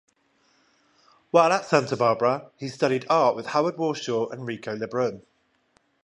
While at Santa Barbara, he studied art with Howard Warshaw and Rico Lebrun.